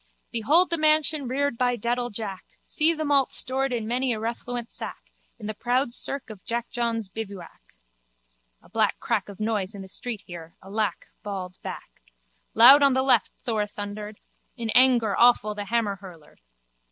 Behold the mansion reared by dedal Jack See the malt stored in many a refluent sack, In the proud cirque of Jackjohn's bivouac. A black crack of noise in the street here, alack, bawled back. Loud on left Thor thundered: in anger awful the hammerhurler.